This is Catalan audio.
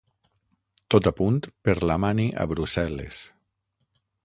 Tot a punt per la mani a Brussel·les.